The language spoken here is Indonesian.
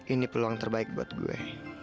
ini peluang terbaik buat gue